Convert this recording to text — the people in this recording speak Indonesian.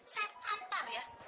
saya tampar ya